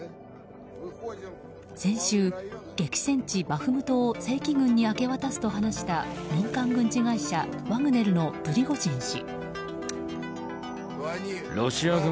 先週、激戦地バフムトを正規軍に明け渡すと話した民間軍事会社ワグネルのプリゴジン氏。